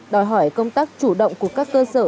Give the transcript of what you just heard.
đòi hỏi công tác chủ động của các cơ sở